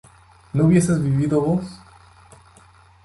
¿no hubieses vivido vos?